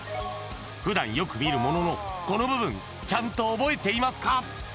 普段、よく見るもののこの部分ちゃんと覚えていますか？